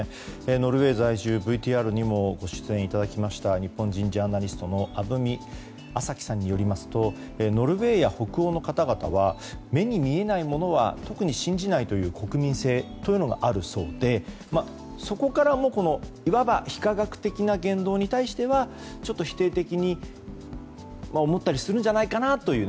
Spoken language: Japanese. ノルウェー在住、ＶＴＲにもご出演いただきました日本人ジャーナリストの鐙麻樹さんによりますとノルウェーや北欧の方は目に見えないものは特に信じないという国民性があるそうでそこからもいわば非科学的な言動に対してはちょっと否定的に思ったりするんじゃないかなと。